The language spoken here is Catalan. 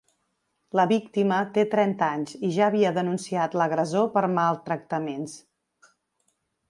La víctima té trenta anys i ja havia denunciat l’agressor per maltractaments.